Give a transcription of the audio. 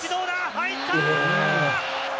入った！